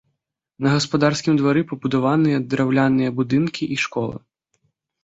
На гаспадарскім двары пабудаваныя драўляныя будынкі і школа.